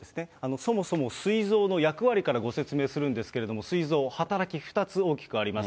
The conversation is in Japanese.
そもそもすい臓の役割からご説明するんですけれども、すい臓、働き、２つ大きくあります。